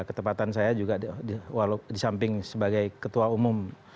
ketepatan saya juga di samping sebagai ketua umum